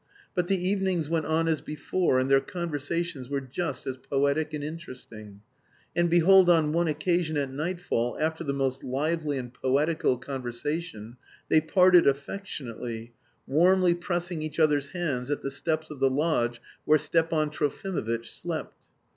But the evenings went on as before, and their conversations were just as poetic and interesting. And behold on one occasion at nightfall, after the most lively and poetical conversation, they parted affectionately, warmly pressing each other's hands at the steps of the lodge where Stepan Trofimovitch slept.